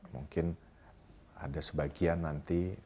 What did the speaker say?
mungkin ada sebagian nanti